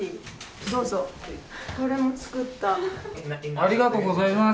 ありがとうございます。